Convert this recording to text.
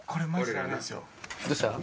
どうしたの？